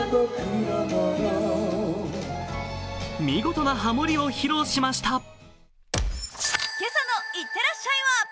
見事なハモりを披露しました。